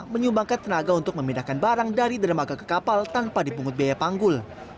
menyumbangkan tenaga untuk memindahkan barang dari dermaga ke kapal tanpa dipungut biaya panggul